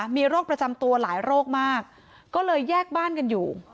มีโรคประจำตัวหลายโรคมากก็เลยแยกบ้านกันอยู่